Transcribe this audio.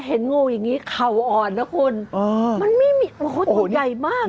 เห็นงูอย่างนี้เข่าอ่อนนะคุณมันไม่มีโอ้โหตัวใหญ่มาก